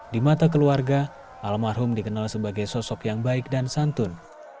di mata keluarga almarhum dikenal sebagai sosok yang baik dan santun